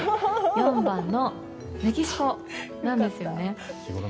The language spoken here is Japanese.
４番のメキシコなんですよね。